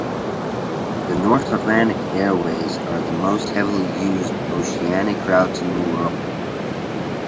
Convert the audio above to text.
The North Atlantic airways are the most heavily used oceanic routes in the world.